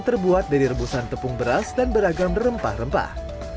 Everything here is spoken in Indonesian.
terbuat dari rebusan tepung beras dan beragam rempah rempah